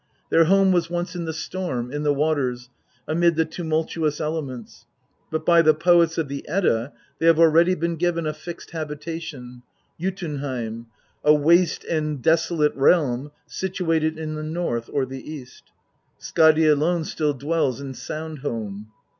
Their home was once in the storm, in the waters, amid the tumultuous elements ; but by the poets of the Edda they have already been given a fixed habitation, Jotunheim, a waste and desolate realm situated in the north or the east. Skadi alone still dwells in Sound home.